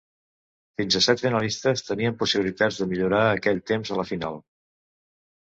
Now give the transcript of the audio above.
Fins a set finalistes tenien possibilitats de millorar aquell temps a la final.